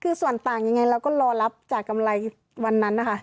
คือส่วนต่างยังไงเราก็รอรับจากกำไรวันนั้นนะคะ